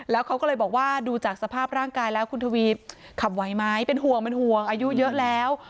แล้วเขาก็เลยบอกว่าดูจากสภาพร่างกายแล้วคุณทวีขับไหวไหมเป็นห่วงเป็นห่วงอายุเยอะแล้ว